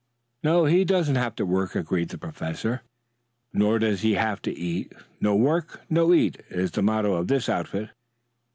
"No, he doesn't have to work," agreed the professor. "Nor does he have to eat. No work, no eat, is the motto of this outfit."